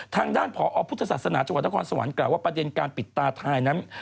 ทางด้านผอพุทธศาสนาจังหวัดนครสวรรค์กล่าวว่าประเด็นการปิดตาทายนั้น